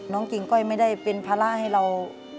กิ่งก้อยไม่ได้เป็นภาระให้เรา